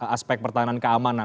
aspek pertahanan keamanan